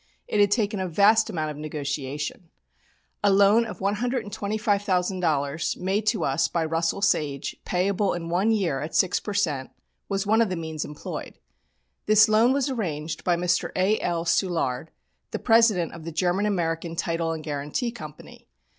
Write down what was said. It had taken a vast amount of negotiation. A loan of $125,000, made to us by Russell Sage, payable in one year at 6 per cent., was one of the means employed. This loan was arranged by Mr. A.L. Soulard, the president of the German American Title and Guarantee Company.